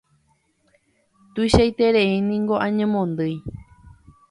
Tuichaiterei niko añemondýi.